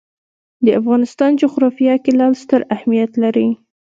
د افغانستان جغرافیه کې لعل ستر اهمیت لري.